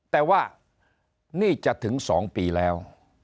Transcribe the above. แต่ว่านี่จะถึง๒ปีแล้ว